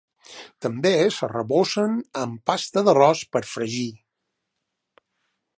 També s'arrebossen amb pasta d'arròs per fregir.